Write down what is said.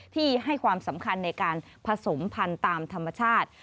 ที่ให้ความสำคัญในการผสมพันธุ์ตามธรรมชาติ